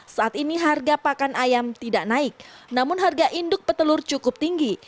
saat ini harga pakan ayam tidak naik namun harga induk petelur cukup tinggi